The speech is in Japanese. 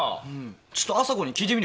ちょっと麻子に聞いてみるよ。